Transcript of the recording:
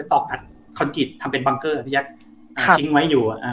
ที่แบบไปตรอกออนตรีฟิลทำเป็นบังเกอร์ที่แจ็คปิ้งไว้อยู่